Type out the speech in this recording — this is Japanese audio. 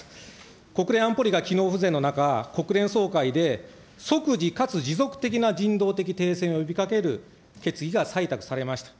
国連安保理が機能不全の中、国連総会で、即時かつ持続的な人道的停戦を呼びかける決議が採択されました。